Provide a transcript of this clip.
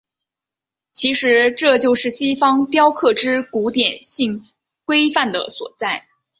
其实这就是西方雕刻之古典性规范的所在。